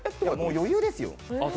余裕ですよ。